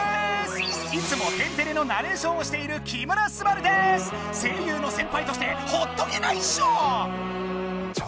いつも「天てれ」のナレーションをしている声優のせんぱいとしてほっとけないっしょ！